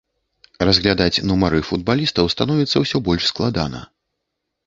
Разглядаць нумары футбалістаў становіцца ўсё больш складана.